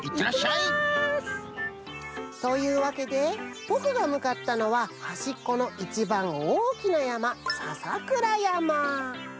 いってきます！というわけでぼくがむかったのははしっこのいちばんおおきなやまささくらやま！